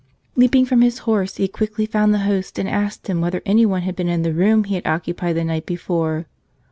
Leaping from his horse, he quickly found the host and asked him whether anyone had been in the room he had occupied the night before.